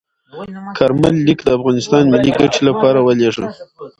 کارمل لیک د افغانستان ملي ګټې لپاره ولیږه.